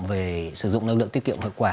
về sử dụng năng lượng tiết kiệm hiệu quả